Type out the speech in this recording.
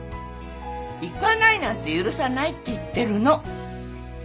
行かないなんて許さないって言ってるの。